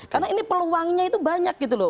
karena ini peluangnya itu banyak gitu loh